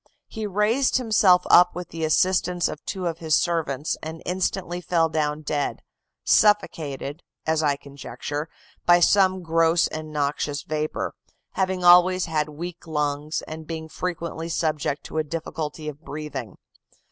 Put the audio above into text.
He raised himself up with the assistance of two of his servants, and instantly fell down dead, suffocated, as I conjecture, by some gross and noxious vapor, having always had weak lungs, and being frequently subject to a difficulty of breathing.